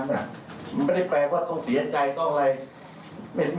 นะครับผู้สมัครเราก็ให้เราเชิญท่านมาเป็น